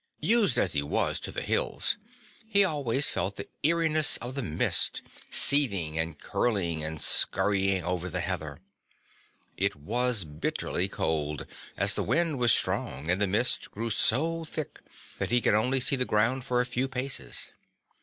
Used as he was to the hills, he always felt the eeriness of the mist seething and curling and scurrying over the heather. It was bitterly cold as the wind was strong and the mist grew so thick that he could only see the ground for a few paces.